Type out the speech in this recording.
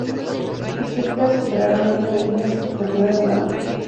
Las críticas superaron ampliamente las expectativas de la banda.